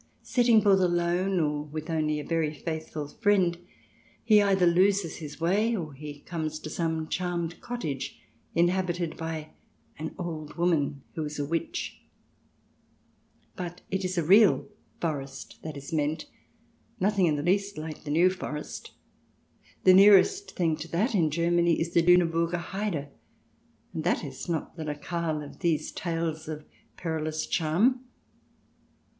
Setting forth alone, or with only a very faithful friend, he either loses his way or he comes to some charmed cottage inhabited by an " old woman who is a witch." But it is a real forest that is meant, nothing in the CH. v] PAX GERMANICA 6i least like the New Forest. The nearest thing to that in Germany is the Luneburger Heide, and that is not the locale of these tales of perilous charm.